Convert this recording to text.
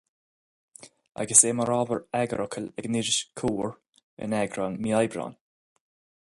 Agus é mar ábhar eagarfhocail ag an iris Comhar in eagrán mí Aibreán.